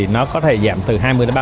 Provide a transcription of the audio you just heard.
nó có thể giảm từ hai mươi ba mươi